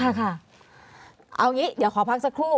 เอาอย่างนี้เดี๋ยวขอพักสักครู่